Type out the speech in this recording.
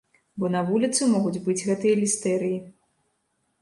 Бо на вуліцы могуць быць гэтыя лістэрыі.